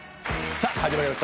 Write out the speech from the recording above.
さぁ始まりました